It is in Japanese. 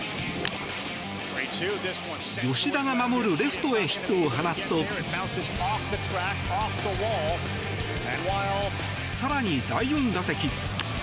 吉田が守るレフトへヒットを放つと更に第４打席。